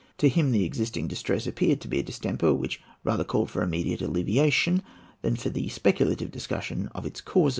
To him the existing distress appeared to be a distemper which rather called for immediate alleviation, than for the speculative discussion of its cause.